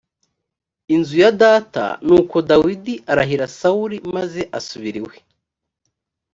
inzu ya data nuko dawidi arahira sawuli maze asubira iwe